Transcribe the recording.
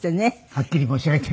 はっきり申し上げて。